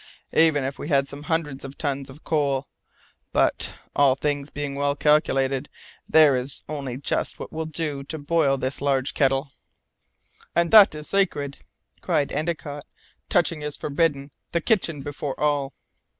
Even if we had some hundreds of tons of coal But, all things being well calculated, there is only just what will do to boil this large kettle." "And that is sacred," cried Endicott; "touching is forbidden! The kitchen before all."